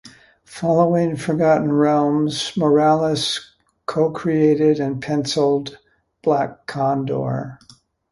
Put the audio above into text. Following "Forgotten Realms", Morales co-created and pencilled "Black Condor".